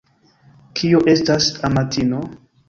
Kio estas amatino?